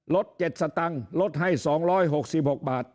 ลด๗สตังค์ลดให้๒๖๖บาท